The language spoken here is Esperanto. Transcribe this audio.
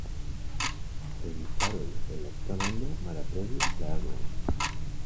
Registaroj el la tuta mondo malaprobis la agon.